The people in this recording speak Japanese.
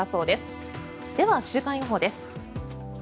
では、週間予報です。